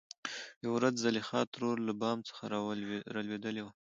يوه ورځ زليخا ترور له بام څخه رالوېدلې وه .